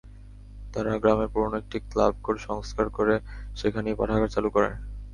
তারা গ্রামের পুরোনো একটি ক্লাবঘর সংস্কার করে সেখানেই পাঠাগার চালু করে।